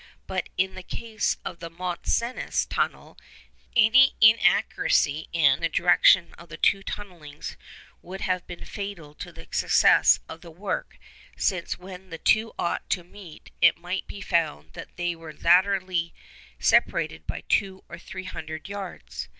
But in the case of the Mont Cenis tunnel any inaccuracy in the direction of the two tunnellings would have been fatal to the success of the work, since when the two ought to meet it might be found that they were laterally separated by two or three hundred yards.